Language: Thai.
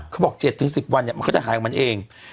เขาบอก๗๑๐วันมันก็จะหายของมันเอง